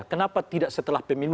kenapa tidak setelah pemilu